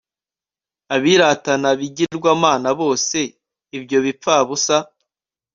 abiratana bigirwamana bose ibyo bipfabusa